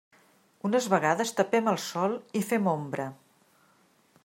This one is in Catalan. Unes vegades tapem el sol i fem ombra.